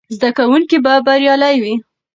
زده کوونکي به بریالي وي.